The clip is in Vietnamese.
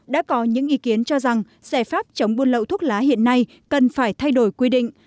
đã có những ý kiến cho rằng giải pháp chống buôn lậu thuốc lá hiện nay cần phải thay đổi quy định